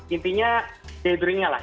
intinya daydreaming nya lah